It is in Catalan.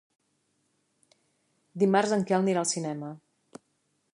Dimarts en Quel anirà al cinema.